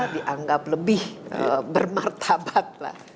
dianggap lebih bermartabat lah